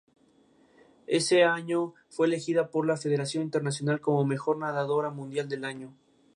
Ese año fue elegida por la Federación Internacional como mejor nadadora mundial del año.